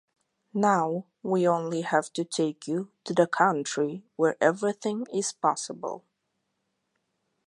Now we only have to take you to the Country where Everything is Possible.